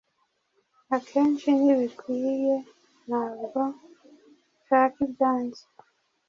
Akenhi ntibikwiye Ntabwo nhaka ibyanjye,